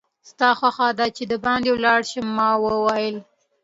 ستا خوښه ده چې دباندې ولاړ شم؟ ما وویل.